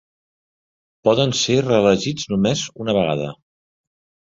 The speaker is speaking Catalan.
Poden ser reelegits només una vegada.